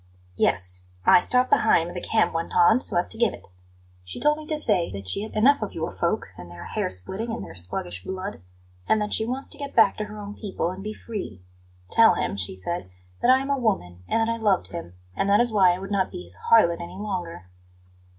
"Yes; I stopped behind when the camp went on, so as to give it. She told me to say that she has had enough of your folk and their hair splitting and their sluggish blood; and that she wants to get back to her own people and be free. 'Tell him,' she said, 'that I am a woman, and that I loved him; and that is why I would not be his harlot any longer.'